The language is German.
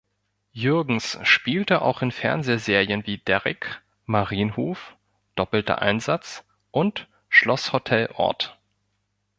Jürgens spielte auch in Fernsehserien wie "Derrick", "Marienhof", "Doppelter Einsatz" und "Schlosshotel Orth".